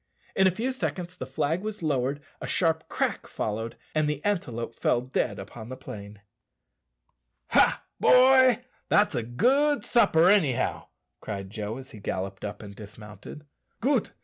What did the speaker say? In a few seconds the flag was lowered, a sharp crack followed, and the antelope fell dead upon the plain. "Ha, boy! that's a good supper, anyhow," cried Joe, as he galloped up and dismounted. "Goot!